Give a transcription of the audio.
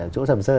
chỗ sầm sơn